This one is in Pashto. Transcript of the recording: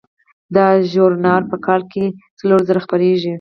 دا ژورنال په کال کې څلور ځله خپریږي.